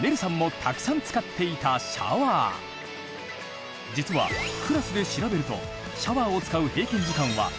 実はクラスで調べるとシャワーを使う平均時間は１４分。